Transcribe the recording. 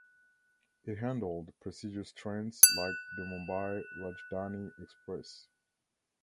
It handled prestigious trains like the Mumbai Rajdhani Express.